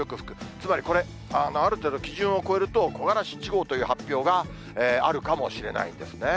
つまりこれ、ある程度、基準を超えると、木枯らし１号という発表があるかもしれないんですね。